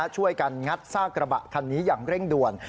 ช่วยกันงัดซากกระบะคันนี้อย่างเร่งด่วน